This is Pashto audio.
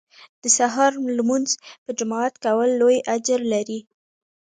د سهار لمونځ په جماعت کول لوی اجر لري